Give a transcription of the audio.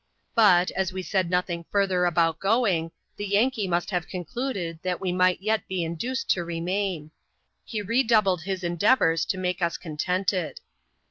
But^ as we said nothing further about going, the Yankee must have concluded that we might yet be induced to remain. He re doubled his endeavours to make us contented.